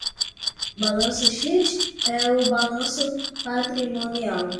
Balance Sheet é o balanço patrimonial.